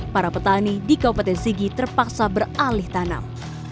para petani di kabupaten sigi terpaksa beralih tanam